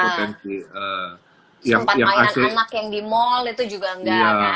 sempat mainan anak yang di mall itu juga enggak